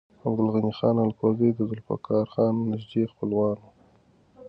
عبدالغني خان الکوزی د ذوالفقار خان نږدې خپلوان و.